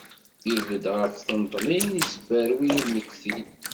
Ibedd ɣef tneṭlin, isberwi lmeggtin.